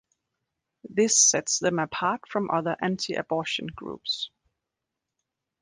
This sets them apart from other anti-abortion groups.